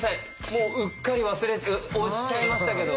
もううっかり忘れて押しちゃいましたけど。